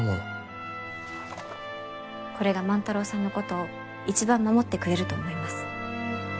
これが万太郎さんのことを一番守ってくれると思います。